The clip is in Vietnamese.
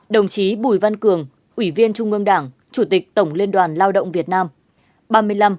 ba mươi bốn đồng chí bùi văn cường ủy viên trung ương đảng chủ tịch tổng liên đoàn lao động việt nam